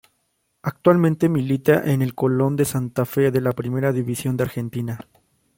Actualmente milita en el Colon de Santa Fe de la Primera División de Argentina.